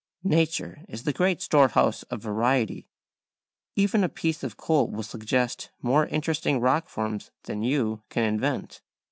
Nature is the great storehouse of variety; even a piece of coal will suggest more interesting rock forms than you can invent.